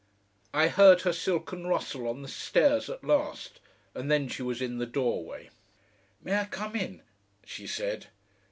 I heard her silken rustle on the stairs at last, and then she was in the doorway. "May I come in?" she said.